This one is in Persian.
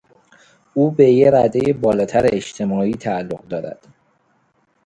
او به یک ردهی بالاتر اجتماعی تعلق دارد.